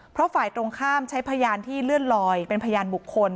เพราะฝ่ายตรงข้ามใช้พยานที่เลื่อนลอยเป็นพยานบุคคล